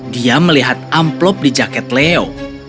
dia melihat amplop di jaket leo